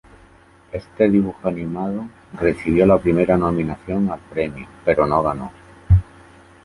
Este dibujo animado recibió la primera nominación al premio, pero no ganó.